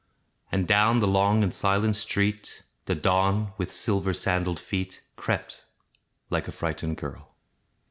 And down the long and silent street, The dawn, with silver sandalled feet, Crept like a frightened girl.